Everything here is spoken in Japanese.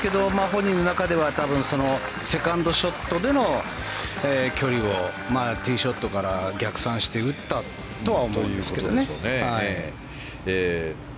本人の中では多分セカンドショットでの距離をティーショットから逆算して打ったとは思いますけどね。